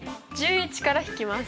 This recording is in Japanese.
１１から引きます！